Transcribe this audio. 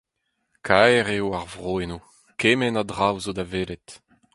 Kaer eo ar vro eno, kement a draoù zo da welet.